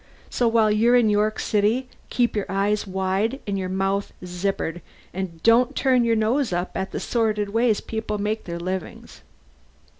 So while you're in York City keep your eyes wide and your mouth zippered, and don't turn your nose up at the sordid ways people make their livings."